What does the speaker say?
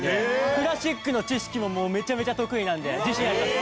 クラシックの知識もめちゃめちゃ得意なんで自信あります。